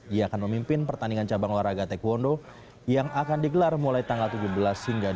dia akan memimpin pertandingan cabang olahraga taekwondo yang akan digelar mulai tanggal tujuh belas hingga dua puluh